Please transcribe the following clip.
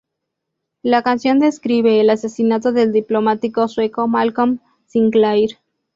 La canción describe el asesinato del diplomático sueco Malcolm Sinclair.